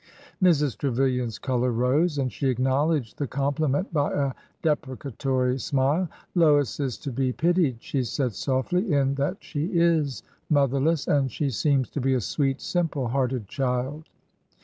Mrs. Trevilian's color rose, and she acknowledged the compliment by a deprecatory smile. " Lois is to be pitied," she said softly, " in that she is motherless. And she seems to be a sweet, simple hearted child."